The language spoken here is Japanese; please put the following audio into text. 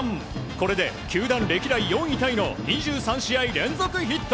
これで球団歴代４位タイの２３試合連続ヒット。